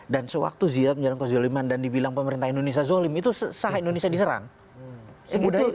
dan sewaktu jihad menjalankan kezoliman dan dibilang pemerintah indonesia zolim itu sah indonesia diserang